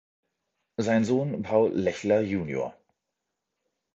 Sein Sohn Paul Lechler jun.